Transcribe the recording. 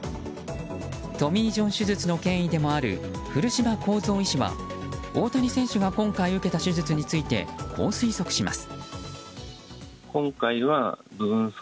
トミー・ジョン手術の権威でもある古島弘三医師は大谷選手が今回受けた手術についてこう推測します。